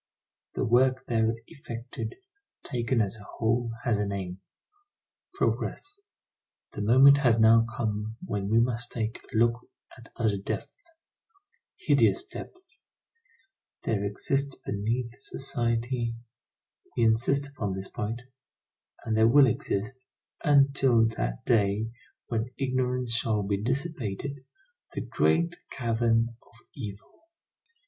The work there effected, taken as a whole has a name: Progress. The moment has now come when we must take a look at other depths, hideous depths. There exists beneath society, we insist upon this point, and there will exist, until that day when ignorance shall be dissipated, the great cavern of evil.